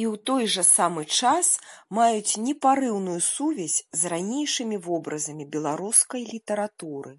І ў той жа самы час маюць непарыўную сувязь з ранейшымі вобразамі беларускай літаратуры.